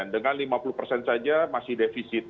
dengan lima puluh persen saja masih defisit